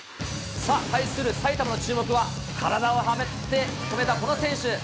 さあ、対する埼玉の注目は体を張って止めたこの選手。